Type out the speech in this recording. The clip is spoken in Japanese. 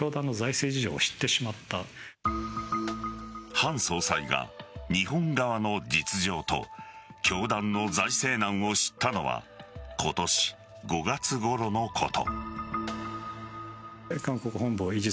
ハン総裁が日本側の実情と教団の財政難を知ったのは今年５月ごろのこと。